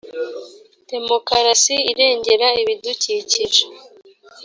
demokarasi irengera ibidukikije .